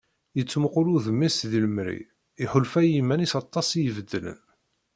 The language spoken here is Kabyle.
Yettmuqul udem-is deg lemri, iḥulfa i yiman-is aṭas i ibeddlen.